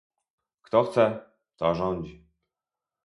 "Kto chce, to rządzi."